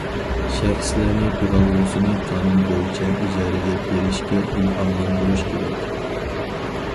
شەخسلەرنى تۇرالغۇسىنى قانۇن بويىچە ئىجارىگە بېرىشكە ئىلھاملاندۇرۇش كېرەك.